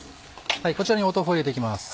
こちらに豆腐を入れて行きます。